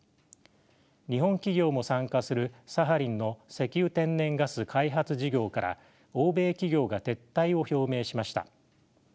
日本企業も参加するサハリンの石油・天然ガス開発事業から欧米企業が撤退を表明しました。